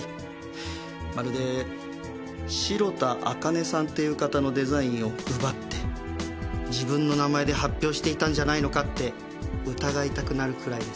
まるで白田朱音さんっていう方のデザインを奪って自分の名前で発表していたんじゃないのかって疑いたくなるくらいです。